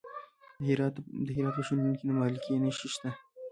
د هرات په شینډنډ کې د مالګې نښې شته.